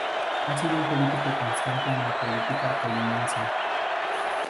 Ha sido un político constante en la política colimense.